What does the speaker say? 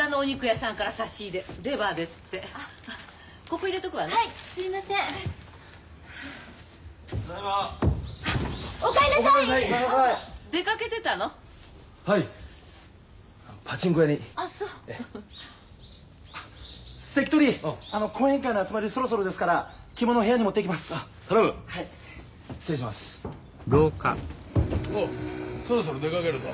おおそろそろ出かけるぞ。